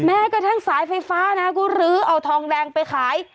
แม้กระทั่งสายไฟฟ้านะก็ลื้อเอาทองแดงไปขาย